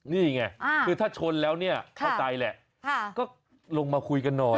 นี่ไงคือถ้าชนแล้วเนี่ยเข้าใจแหละก็ลงมาคุยกันหน่อย